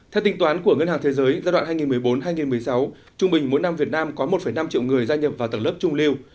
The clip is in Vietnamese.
theo tính toán của ngân hàng thế giới giai đoạn hai nghìn một mươi bốn hai nghìn một mươi sáu trung bình mỗi năm việt nam có một năm triệu người gia nhập vào tầng lớp trung lưu